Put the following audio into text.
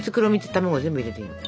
卵全部を入れていいの。